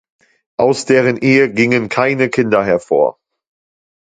Aus deren Ehe gingen keine Kinder hervor.